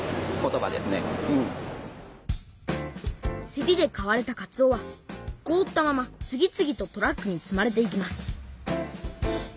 せりで買われたかつおはこおったまま次々とトラックに積まれていきます